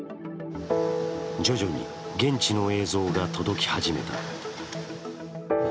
徐々に現地の映像が届き始めた。